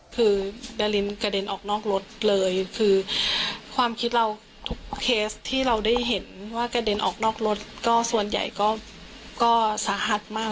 คือดารินกระเด็นออกนอกรถเลยคือความคิดเราทุกเคสที่เราได้เห็นว่ากระเด็นออกนอกรถก็ส่วนใหญ่ก็สาหัสมาก